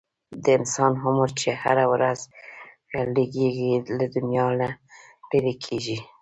د انسان عمر چې هره ورځ لږیږي، له دنیا نه لیري کیږي